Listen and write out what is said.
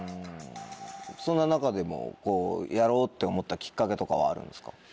そんな中でもやろうって思ったきっかけとかはあるんですか？